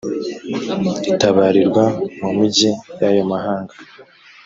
itabarirwa mu migi y’ayo mahanga.